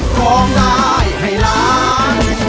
ของได้ให้รัก